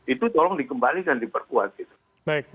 itu tolong dikembalikan diperkuat gitu